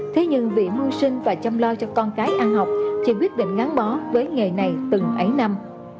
thế nhưng vì mưu sinh và chăm lo cho con cái ăn học chị quyết định ngắm bó với nghề này từng ấy năm